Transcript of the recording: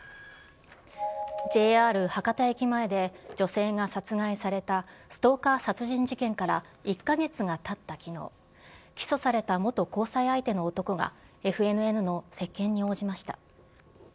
ＪＲ博多駅前で女性が殺害されたストーカー殺人事件から１カ月がたった昨日起訴された元交際相手の男がＦＮＮの接見に応じました。